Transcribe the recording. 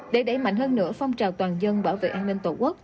để đẩy mạnh hơn nữa phong trào toàn dân bảo vệ an ninh tổ quốc